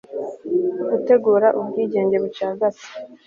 gutegura ubwigenge bucagase